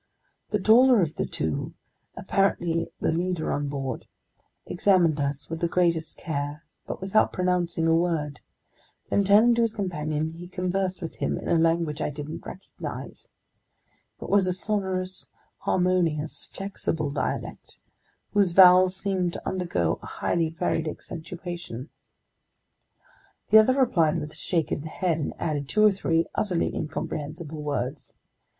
The taller of the two—apparently the leader on board—examined us with the greatest care but without pronouncing a word. Then, turning to his companion, he conversed with him in a language I didn't recognize. It was a sonorous, harmonious, flexible dialect whose vowels seemed to undergo a highly varied accentuation. The other replied with a shake of the head and added two or three utterly incomprehensible words.